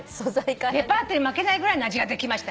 デパートに負けないぐらいの味ができました。